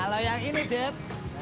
kalau yang ini det